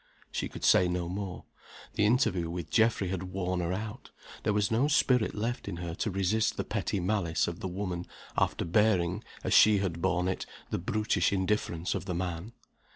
She could say no more. The interview with Geoffrey had worn her out; there was no spirit left in her to resist the petty malice of the woman, after bearing, as she had borne it, the brutish indifference of the man.